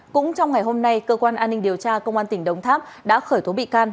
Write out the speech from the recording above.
cũng trong ngày hôm nay cơ quan an ninh điều tra công an tỉnh đồng tháp đã khởi tố bị can